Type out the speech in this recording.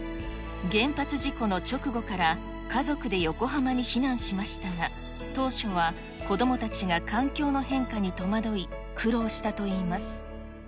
原発事故の直後から、家族で横浜に避難しましたが、当初は子どもたちが環境の変化に戸惑い、苦労したといいます。